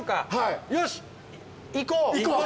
よし行こう！